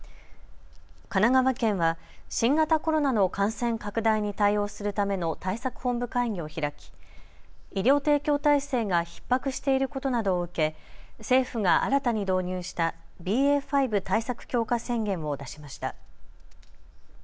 神奈川県は新型コロナの感染拡大に対応するための対策本部会議を開き医療提供体制がひっ迫していることなどを受け政府が新たに導入したＢＡ．５対策強化宣言を出しました。